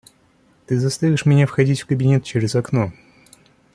Ты заставишь меня входить в кабинет через окно.